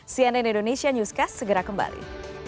cnn indonesia newscast segera kembali